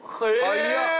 早っ。